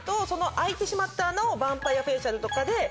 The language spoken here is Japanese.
その開いてしまった穴をヴァンパイアフェイシャルとかで。